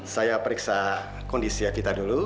saya periksa kondisi vita dulu